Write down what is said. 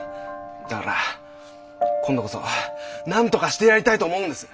だから今度こそなんとかしてやりたいと思うんです。